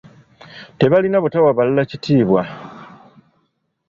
Tebalina butawa balala kitiibwa.